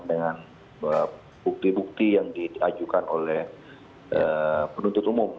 dengan bukti bukti yang diajukan oleh penuntut umum